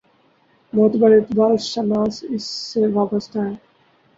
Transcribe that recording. معتبر اقبال شناس اس سے وابستہ ہیں۔